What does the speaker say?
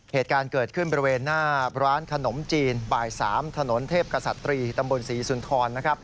เหตุการณ์เกิดขึ้นบริเวณหน้าร้านขนมจีนบ่าย๓ถนนเทพกษัตรีตำบลศรีสุนทร